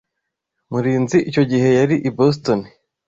Murinzi icyo gihe yari i Boston.